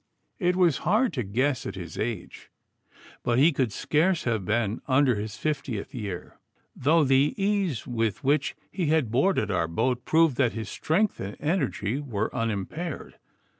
It was hard to guess at his age, but he could scarce have been under his fiftieth year, though the ease with which he had boarded our boat proved that his strength and energy were unimpaired.